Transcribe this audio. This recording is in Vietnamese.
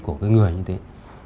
của cái người như thế